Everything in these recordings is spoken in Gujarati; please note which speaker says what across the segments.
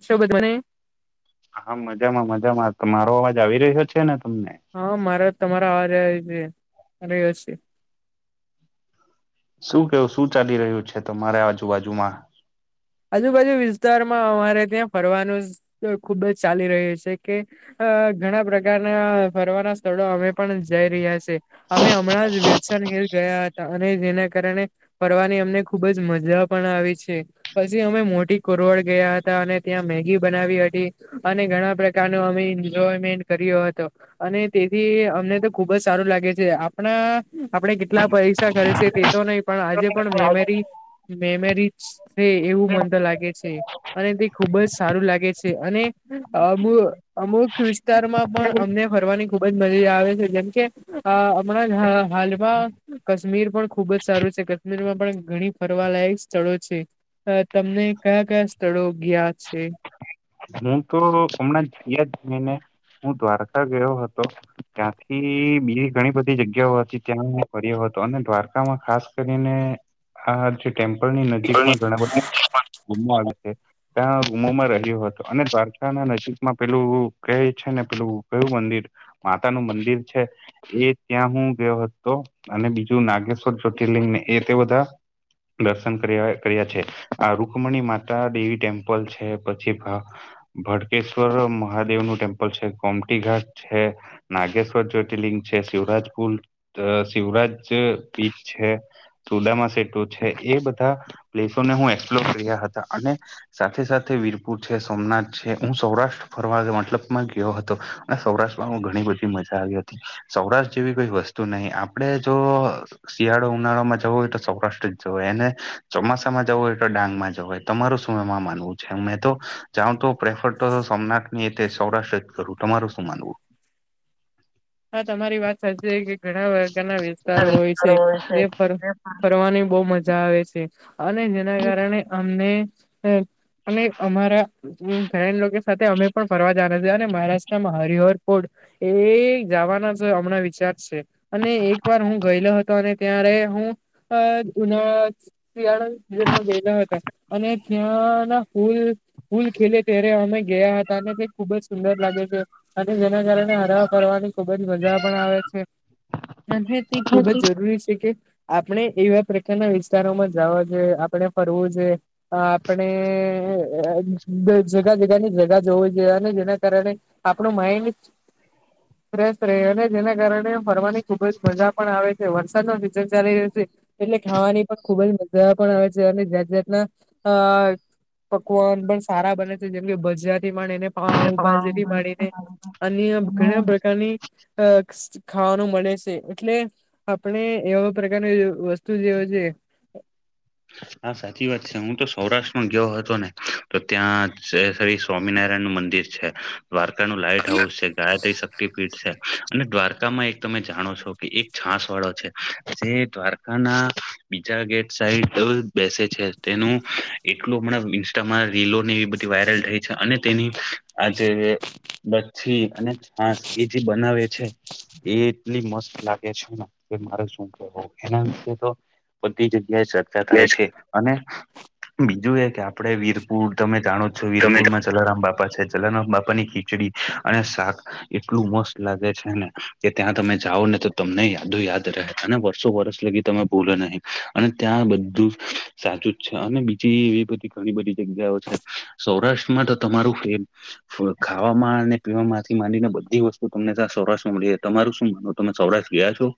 Speaker 1: છો બધોને.
Speaker 2: હા મજામાં મજામાં તમારો અવાજ આવી રહ્યો છે ને તમને.
Speaker 1: હા મારે તમારો અવાજ આયે જે રીયો સે.
Speaker 2: શું કેવું શું ચાલી રહ્યું છે? તમારા આજુબાજુમાં.
Speaker 1: આજુબાજુ વિસ્તારમાં અમારે ત્યાં ફરવાનુંઝ ખુબ જ ચાલી રહ્યું સે, કે અ ઘણા પ્રકારના ફરવાના સ્થળો અમે પણ જઈ રહ્યા છે. અમે અમણાં જ વિલ્સન હિલ ગયા હતા અને જેના કારણે ફરવાની અમને ખૂ ખુબ જ મજા પણ આવી છે. પછી અમે મોટી કુરવડ ગયા હતા અને ત્યાં મેગી બનાવી હટી. અને ઘણા પ્રકારનો અમે એન્જોયમેન્ટ કર્યો હતો. અને તેથી અમને તો ખુબ જ સારું લાગે છે, આપણા આપણે કેટલા પઈસા ખરચિયે તે તો નઈ પણ આજે પણ મેમેરી મેમેરી છછે, એવું મન તો લાગે છે. અને તે ખુબ જ સારું લાગે સે, અને અબ અમુક વિસ્તારમાં પણ અમને ફરવાની ખુબ જ મજી આવે છે, જેમકે હમણાં હ હાલમાં કશ્મીર પણ ખુબ જ સારું છે, કશ્મીરમાં પણ ઘણી ફરવાલાાયક સ્થળો છે. અ તમને કયા કયા સ્થળો ગીયા છે?
Speaker 2: હું તો હમણાં ગીયા જ નીને. હું દ્વારકા ગયો હતો. ત્યાંથી બી ઘણી બધી જગ્યાઓ હતી, ત્યાં ફર્યો હતો અને દ્વારકામાં ખાસ કરીને, આ જ ટેમ્પલ ની નજીકમાં ઘણા બધા ગુમો, આવે છે ત્યાં ગુમોમાં રહ્યો હતો. અને દ્વારકા ના નજીકમાં પેલું ક છે ને પેલું કયું મંદિર. માતા નું મંદિર છે. એ ત્યાં હું ગયો હતો અને બીજું નાગેશ્વર જ્યોતિર્લિંગને એ તે બધા દર્શન કર્યા કર્યા છે, આ રુકમણી માતા દેવી ટેમ્પલ છે પછી ભડકેશ્વર મહાદેવ નું ટેમ્પલ છે કોમટી ઘાટ છે. નાગેશ્વર જ્યોતિર્લિંગ છે શિવરાજ પુલ શિવરાજ બીચ છે. સુદામા સેટુ છે એ બધા, પ્લેસોને હું એક્સપ્લોર કર્યા હતા અને સાથે સાથે વીરપુર છે સોમનાથ છે હું સૌરાષ્ટ્ર ફરવા મતલબમાં ગયો હતો, અને સૌરાષ્ટ્રમાં ઘણી બધી મજા આવી હતી. સૌરાષ્ટ્ર જેવી કોઈ વસ્તુ નહિ આપડે જો શિયાળો ઉનાળો માં જવો હોય તો સૌરાષ્ટ્ર જવ અને, ચોમાસામાં જવું હોય તો ડાંગમાં જ હોય. તમાર સમયમાં માનવું છે મેં તો, જાઉં તો પ્રેફર તો સોમનાથ સૌરાષ્ટ્ર જ કરું તમારું શું માનવું?
Speaker 1: હા તમારી વાત સાચ કે ઘણા વગાના વિસ્તારો હોય છે, જે ફરવાની બહુ મજા આવે છે, અને જેના કારણે અમને અને અમારા હમ ફેન લોકો સાથે અમે પણ ફરવા જના છીએ અને મહારાષ્ટ્રમાં હરિહર કોર્ટ, એ જવાના જ હમણાં વિચાર છે, અને એક વાર હું ગયેલો હતો અને ત્યારે હું ઉના શિયાળાન્માં ગયેલા હતા, અને ત્યાં ના હુલ પૂલ ખેલે ત્યારે અમે ગયા હતા અનેને તે ખુબ જ સુંદર લાગે છે. અને જેના કારણે હરવા ફરવાની ખુબ જ મજા પણ આવે છે, અને તે ખૂબ જ જરૂરી છે કે આપણે એવા પ્રકારના વિસ્તારોમાં જવા જોઈએ આપણે ફરવું જોઈએ. હ આપણે જગા જગા ની જગા જોવા જો જેના કારણે આપણું માઈન્ડ ફ્રેશ રહે અને જેના કારણે ફરવાની ખુબ જ મજા પણ આવે. વરસાદ ન સિઝન ચાલી રહ્યો છે, એટલે ખાવાની પણ ખુબ જ મજા પણ આવે છે અને જાત જાતના અ પકવાન પણ સારા બને છે જેમ કે બજારથી પણ એને હા બાજરી પાડીને અન
Speaker 2: હ
Speaker 1: ઘણા ની ખાવાનું મળે છે, એટલે આપણે એવા પ્રકારની વસ્તુ જેવ છે.
Speaker 2: હા સાચી વાત છે હું તો સૌરાષ્ટ્રમાં ગયો હતો ને, તો ત્યાં સ્વામિનારાયણ નું મંદિર છે. દ્વારકા નું લાઈટ હાઉસ છે. ગાયત્રી શક્તિપીઠ છે, અને દ્વારકામાં એક તમે જાણો છો કે એક છાસ વાળો છે, જે દ્વાર ના બીજા ગેટ સાઈડ બેસે છે, તેનું એટલું હમણાં ઇન્સ્ટામાં રીલોની બધી વાયરલ થઈ અને તેની, આજે બી અને હા એ જે બનાવે છે. એ એટલી મસ્ત લાગે છે ને, કે મારે શું કેવું એના વિ તો બધી જગ્યાએ ચર્ચા થાય છે, અને બીજું એ કે આપડ વીરપુર તમે જાણો
Speaker 1: તમે
Speaker 2: વીરપુરમાં જલારામ બાપા છે જલારામ બાપા ની ખીચડી, અને શાક. એટલું મસ્ત લાગે છેને કે, ત્યાં તમે જાઓ ને તો તમને યાદો યાદ રહે ને વર્સો વરસ લગી તમે બોલો નહીં, અને ત્યાં બધા સાચું જ છે અને બીજી એવી બધી ઘણી બધી જગ્યાઓ છે, સૌરાષ્ટ્રમાં તમારું પ્રેમ ખાવામાં અને પી થી ડી ને બધી વસ્તુ તમને ત્યાં સૌરાષ્રમાં મળી જ તમારું શું માન તમે સૌરાષ્ટ્ર ગયા છો?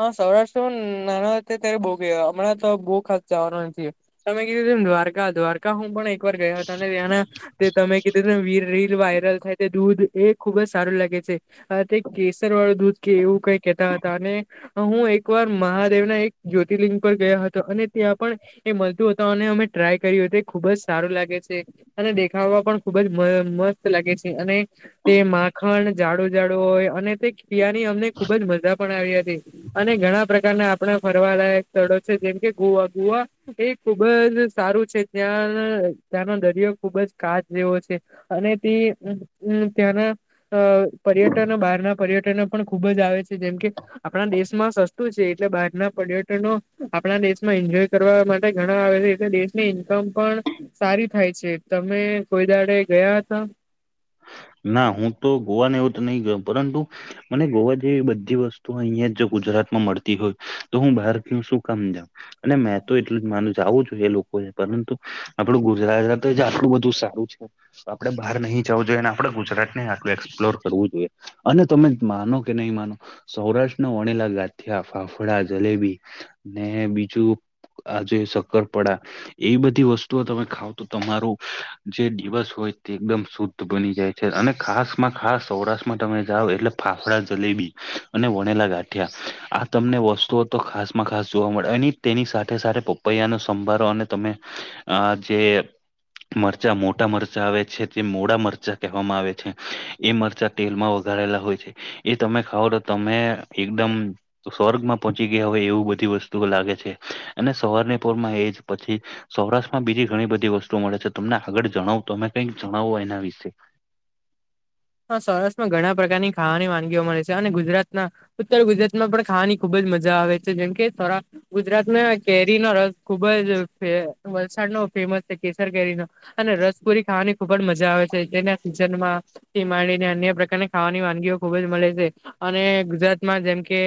Speaker 1: હા સૌરાષ્ટ્રમાં નાના ત્યારે બહુ ગ હમણાં તો બહુ ખાસ જવાનો નથી. તમે કીધું તેમ દ્વારકા દ્વારકા હું પણ એક વાર ગયો હતો અને ત્યાંના તે તમે કીધું તેમ રીલ વાયરલ થાય તે દૂધ એ ખુબ જ સારું લાગે છે અ તે કેસર વાળું દૂધ કે એવું કઈ કેહેતા હતા અને હું એકવાર મહાદેવના એક જ્યોતિર્લિંગ પર ગયા હતા અને ત્યાં પણ એ મળતું હતાઓને અમે ટ્રાય કર્યું એ ખુબ જ સારું લાગે છે અને દેખાવા પણ ખુબ જ મસ્ત લાગે છે અને તે માખણ જાડુ જાડુ હોય અને તે કિયાની અમને ખુબ જ મજા પણ આવી હતી અને ઘણા પ્રકારને આપણે ફરવા લયક સ્થળો છે જેમ કે ગોવા ગોવા એ ખુબ જ સારું છે ત્યાં ત્યાંનો દરિયો ખુબ જ કાચ જેવો છે અને તે ત્યાંના અ પર્યટનો બહારના પર્યટનો પણ ખુબ જ આવે છે જેમ કે આપણા દેશમાં સસ્તું છે એટલે બહાર ના પર્યટનો આપણા દેશમાં એન્જોય કરવા માટે ઘણા આવે છે એટલે દેશ ને ઈન્કમ પણ સારી થાય છે તમે કોઈદાડે ગયા હતા
Speaker 2: ના હું તો ગોવાને એવું તો નહી ગયો પરંતુ મને ગોવા જેવી બધી વસ્તુ અહિયાં જ જો ગુજરાતમાં મળતી હોય તો હું બહાર શું કામ જાવ? અને મેં તો એટલું જ માનું આવું જોઈએ લોકોને પરંતુ આપડું ગુજરાત જ આટલું બધું સારું છે. આપડે બહાર નહીં. જવું જોઈએ અને આપડે ગુજરાત ને આટલું એક્સપ્લોર કરવું જોઈએ અને તમે માનો કે નહીં માનો સૌરાષ્ટ્ર ના વણેલા ગાંઠ્યા ફાફડા જલેબી ને બીજું આજે શક્કરપડા એ બધી વસ્તુઓ તમે ખાવ તો તમારું જે દિવસ હોય તે એકદમ શુદ્ધ તો બની જાય છે અને ખાસમાં ખાસ સૌરાષ્ટ્રમાં તમે જાઓ એટલે ફાફડા જલેબી અને વણેલા ગાંઠિયા આ તમને વસ્તુઓ તો ખાસમાં ખાસ જોવા મળે અને તેની સાથે સાથે પો પૈયા નો સંભારો અને તમે આ જે મરચા મોટા મરચાં આવે છે તે મોડા મર મરચા કહેવામાં આવે છે એ મરચા તેલમાં વગારેલા હોય છે. એ તમે ખાવો તો તમે એકદમ સ્વર્ગમાં પહોંચી ગયા હોય એવી બધી વસ્તુઓ લાગે છે અને સવારના પોરમાં એ જ પછી સૌરાષ્ટ્રમાં બીજી ઘણી બધી વસ્તુઓ મળે છે તમને આગળ જણાવુ તમે કઈક જણાવો એના વિશે.
Speaker 1: હા સૌરાષ્ટ્રમાં ઘણા પ્રકારની ખાવાની વાનગીઓ મળે છે અને ગુજરાતના ઉત્તર ગુજરાત માં પણ ખાવાની ખુબ જ મજા આવે છે જેમ કે ખોરા ગુજરાતમાં કેરીનો રસ ખુબ જ વલસાડ નો ફેમસ છે કેસર કેરી નો. અને રસપુરી ખાવાની ખુબ જ મજા આવે છે તેના સિઝન માં. તી માંડીને અન્ય પ્રકારની ખાવાની વાનગીઓ ખુબ જ મળે છે અને ગુજરાતમાં જેમ કે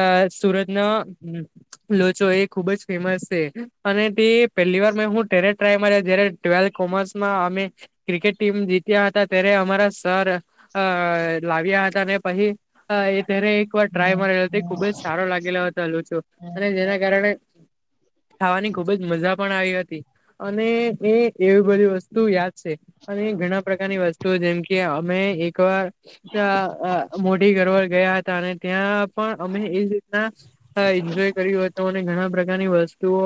Speaker 1: અ સુરતનો લોચો એ ખુબ જ ફેમસ છે અને તે પહેલી વાર મે હું ત્યારે ટ્રાય માર્યાં જ્યારે ટ્વેલ કોમર્સમાં અમે ક્રિકેટ ટીમ જીત્યા હતા ત્યારે અમારા સર અ લાવ્યા હતા ને પછી એ ત્યારે એક વાર ટ્રાય મારેલો ખુબ જ સારો લાગેલો હતો લોચો અને તેના કારણે ખાવાની ખુબ જ મજા પણ આવી હતી અને એ એવી બધી વસ્તુ યાદ છે અને ઘણા પ્રકારની વસ્તુ જેમ કે અમે એકવાર [inaudible] ગયા હતા અને ત્યાં પણ અમે એજ રીતના તા એન્જોય કર્યું હતો અને ઘણા પ્રકારની વસ્તુઓ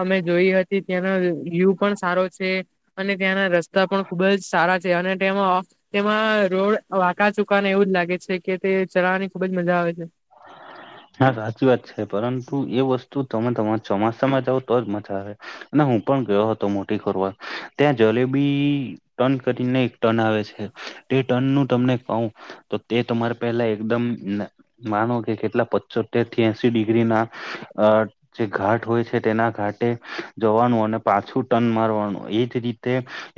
Speaker 1: અમે જોઈ હતી ત્યાંના વ્યુ પણ સારો છે. અને ત્યાંના રસ્તા પણ ખુબ જ સારા છે અને તેમાં તેમાં રોડ વાકા ચુકાને એવું જ લાગે છે કે તે ચલાવાની ખુબજ મજા આવે છે.
Speaker 2: હા સાચી વાત છે પરંતુ એ વસ્તુ તમે તમારા ચોમાસામાં જાવ તો જ મજા આવે. અને હું પણ ગયો હતો મોટી ખોરવલ ત્યાં જલેબી ટર્ન કરીને એક ટર્ન આવે છે તે ટર્ન નું તમને કઉ તો તે તમારે પહેલા એકદમ માનો કે કેટલા પ સોતેર ત્યાંશી ડિગ્રી ના અ જે ઘાટ હોય છે તેના ઘાટે જવાનું અને પાછું ટર્ન મારવાનું એજ રી તે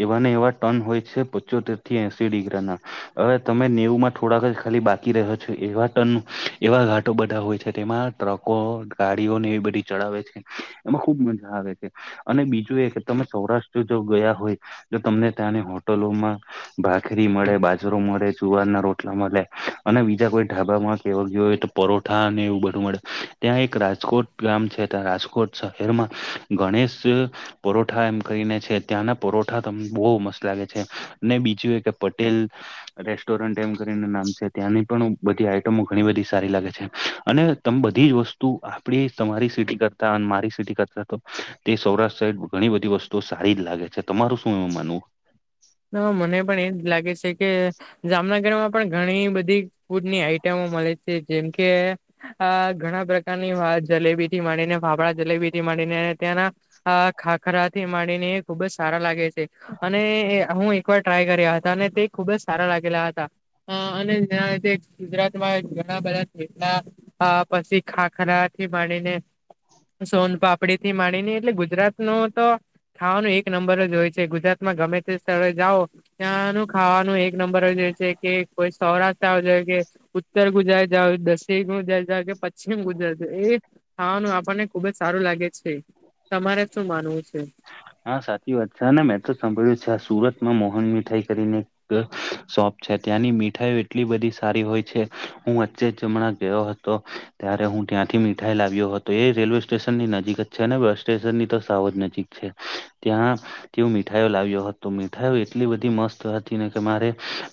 Speaker 2: એવાને એવા ટર્ન હોય છે પચોતેર થી એશી ડિગ્રાના હવે તમે નેવુંમાં થોડાક જ ખાલી બાકી રહ્યો છો એવા ટન એવા ઘાટ બધા હોય છે તેમાં ટ્રકો ગાડીઓને એ બધી ચડાવે છે. એમાં ખુબ મજા આવે છે. અને બીજું એ કે તમે સૌરાષ્ટ્ર જો ગયા હોય તો તમને ત્યાંની હોટલોમાં ભાખરી મળે બાજરો મળે જુવાર ના રોટલા મળે અને બીજા કોઈ ઢાબા માં ગયો ગયો હોય તો પરોઠા અને એવું બધું મળે ત્યાં એક રાજકોટ ગામ છે ત્યાં રાજકોટ શહેરમાં ગણેશ અ પરોઠા એમ કરીને છે ત્યાંના પરોઠા તમને બહુ મસ્ત લાગે છે અને બીજું એ કે પટેલ રેસ્ટોરન્ટ એમ કરીને નામ છે ત્યાંની પણ બધી આઈટમો ઘણી બધી સારી લાગે છે. અને તમ બધી જ વસ્તુ આપડી તમારી સિટી કરતા મારી સિટી કરતા તો તે સૌરાષ્ટ્ર સાઇડ ઘણી બધી વસ્તુઓ સારી જ લાગે છે તમારું શું એવું માનવું?
Speaker 1: હા મને પણ એ જ લાગે છે કે જામનગરમાં પણ ઘણી બધી ફૂડની આઇટમો મળે છે જેમ કે અ ઘણા પ્રકારની જલેબીથી માંડીને ફાફડા જલેબી સુધી અને ત્યાંના અ ખાખરાથી માંડીને ખૂબ જ સારા લાગે છે અને અ હું એકવાર ટ્રાય કર્યા હતા અને તે ખૂબ જ સારા લાગેલા હતા. અને ત્યાં ગુજરાતમાં ઘણા બધા છે મીઠા અ પછી ખાખરાથી માંડીને સોનપાપડીથી માંડીને એટલે ગુજરાતનું તો ખાવાનું એક નંબર જ હોય છે ગુજરાતમાં ગમે તે સ્થળે જાઓ ત્યાંનું ખાવાનું એક નંબર જ હોય છે. કે કોઈ સૌરાષ્ટ્ર આવે કે ઉત્તર ગુજરાત જાઓ દક્ષિણ ગુજરાત જાઓ કે પશ્ચિમ ગુજરાત જાઓ એક ખાવાનું આપણને ખૂબ જ સારું લાગે છે તમારે શું માનવું છે?
Speaker 2: હા સાચી વાત છે અને મેં તો સાંભળ્યું છે કે સુરતમાં મોહન મીઠાઈ કરીને શોપ છે ત્યાંની મીઠાઈ એટલી બધી સારી હોય છે હું વચ્ચે જ ત્યાં ગયો હતો. તો ત્યારે હું ત્યાંથી મીઠાઈ લાવ્યો હતો એ રેલવે સ્ટેશનની નજીક જ છે ને બસ સ્ટેશનની તો સાવ જ નજીક છે. ત્યાંથી મીઠાઈઓ લાવ્યો હતો મીઠાઈ એટલી બધી મસ્ત હતી ને કે મારે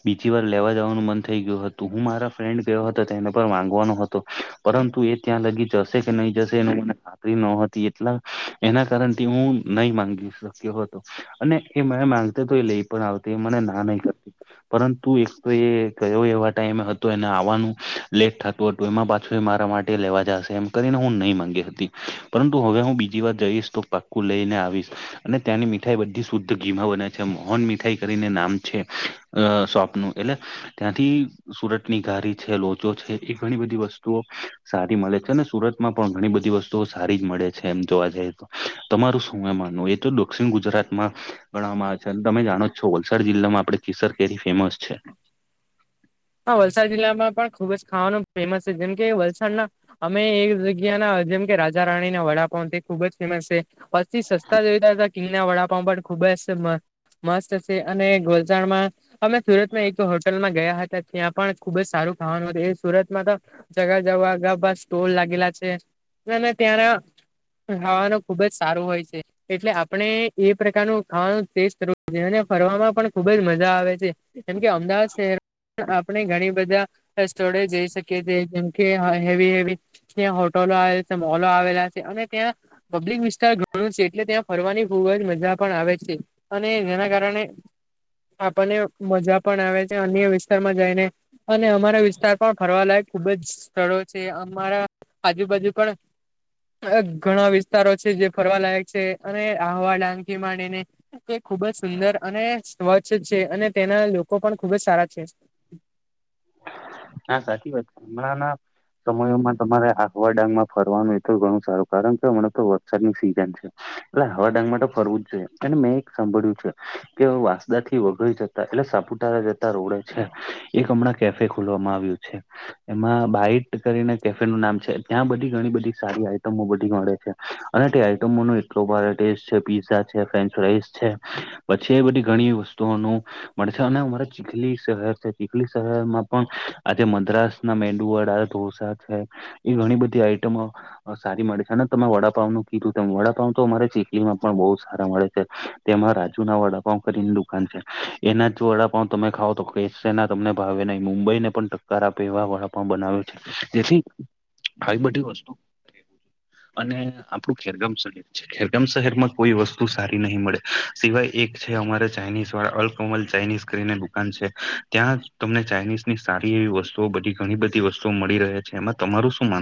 Speaker 2: બીજી વાર લેવા જવાનું મન થઈ ગયું હતું હું મારા ફ્રેન્ડ સાથે ગયો હતો તો એને પણ માંગવાનો હતો. પરંતુ એ ત્યાં સુધી જશે કે નહીં જશે એ મને ખબર નહોતી એટલે એના કારણથી હું નહીં માંગી શક્યો હતો એ મને માગશે તો મને લઈ પણ આવશે એ લઈ પણ આવશે એ મને ના નહીં કરતી. પરંતુ એક તો એ ગયો એવો ટાઈમ હતો એટલે એને આવવાનું મોડું થતું તો એમાં પાછો મારા માટે લેવા જશે એમ કરીને હું નહોતો માગ્યો પરંતુ હવે હું બીજી વાર જઈશ તો પાક્કું જ લઈને આવીશ અને ત્યાંની મીઠાઈ બધી શુદ્ધ ઘીમાં બને છે મોહન મીઠાઈ કરીને નામ છે. એ શોપનું એટલે ત્યાંથી સુરતની ઘારી છે લોચો છે એવી ઘણી બધી વસ્તુઓ સારી મળે છે અને સુરતમાં પણ ઘણી બધી વસ્તુઓ સારી જ મળે છે એમ જોવા જઈએ તો તમારું શું માનવું છે એ તો દક્ષિણ ગુજરાતમાં ગણવામાં આવે છે અને તમે જાણો છો વલસાડ જિલ્લામાં આપણે કેસર કેરી ફેમસ છે.
Speaker 1: હા વલસાડ જિલ્લામાં પણ ખૂબ જ ખાવાનું ફેમસ છે જેમ કે વલસાડના અમે એક જગ્યાના જેમ કે રાજા રાણીના વડાપાઉં તે ખૂબ જ ફેમસ છે. સૌથી સસ્તા જોઈએ તા હોય તો કિંગના વડાપાઉં પણ ખૂબ જ મસ્ત છે અને વલસાડમાં અમે સુરતમાં એક હોટલમાં ગયા હતા. ત્યાં પણ ખૂબ જ સારું ખાવાનું હતું સુરતમાં તો જગ્યા જગ્યાએ સ્ટોલ લાગેલા છે. અને ત્યાંના ખાવાનું ખૂબ જ સારું હોય છે. એટલે આપણે એ પ્રકારનું ખાવાનું ટેસ્ટ કરવું જોઈએ અને ફરવામાં પણ ખૂબ જ મજા આવે છે. જેમ કે અમદાવાદ શહેર આપણે ઘણી બધી સ્ટોરે જઈ શકીએ છીએ જેમ કે હેવી-હેવી ત્યાં હોટલો આવેલી છે, મોલ આવેલા છે અને ત્યાં પબ્લિક વિસ્તાર ઘણો છે, એટલે ત્યાં ફરવાની પણ ખૂબ જ મજા પણ આવે છે. અને જેના કારણે આપણને મજા પણ આવે છે. અન્ય વીસ વિસ્તારમાં જઈને અને અમારા વિસ્તારમાં પણ ફરવાલાયક ખૂબ જ સ્થળો છે. અમારા આજુબાજુ પણ ઘણા વિસ્તારો છે જે ફરવાલાયક છે, અને આહવા, ડાંગથી માંડીને તે ખૂબ જ સુંદર અને સ્વચ્છ છે. અને ત્યાંના લોકો પણ ખૂબ જ સારા છે.
Speaker 2: હા, સાચી વાત. હમણાંના સમયોમાં તમારે આહવા ડાંગમાં ફરવાનું એ તો ઘણું સારું. કારણ કે હમણાં તો વરસાદની સિઝન છે. એટલે હવા ડાંગમા તો ફરવું જ જોઈએ. અને મેં એક સાંભળ્યું છે કે વાસદા થી વગડી શક એટલે સાપુતારા જતા રોડ છે એક હમણાં કેફે ખોલવામાં આવ્યું છે. એમાં બાઈટ કરીને કેફે નું નામ છે ત્યાં બધી ઘણી બધી સારી આઈટમો બધી મળે છે. અને તે આઈટમો નો એટલો ભારે ટેસ્ટ છે પીઝા છે, ફ્રેન્ચ ફરાઇસ છે. પછી એ બધી ઘણી વસ્તુઓનું મળશે અને અમારે ચીખલી શહેર છે. ચીખલી શહેરમાં પણ આજે મદ્રાસના મેંદુ વડા, ઢોસા છે. એ ઘણી બધી આઈટમો સારી મળે છે. અને તમે વડાપાવ નું કીધું તેમ વડાપાવ તો અમારે ચીખલીમાં પણ બહુ સારા મળે છે. તેમાં રાજુ ના વડાપાઉં કરીની દુકાન છે. એના જ જો વડાપાવ તમે ખાવ તો કે ના તમને ભાવે નહી. મુંબઈ ને પણ ટક્કર આપે એવા વડાપાંઉ પણ બનાવે છે. જેથી આવી બધી વસ્તુ અને આપણું ખેરગામ સડી ખેરગામ શહેરમાં કોઈ વસ્તુ સારી નહીં મળે. સિવાય એક છે અમારે ચાઇનીઝ વાળા અલ્કમલ ચાઇનીઝ. કરીને દુકાન છે ત્યાં જ તમને ચાઇનીઝની સારી એવી વસ્તુઓ બધી ઘણી બધી વસ્તુઓ મળી રહે છે. એમાં તમારું શું માન